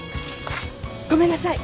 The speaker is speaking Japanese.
ごめんなさい。